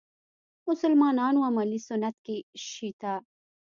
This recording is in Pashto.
مسلمانانو عملي سنت کې شی شته.